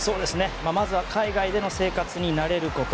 まずは海外での生活に慣れること。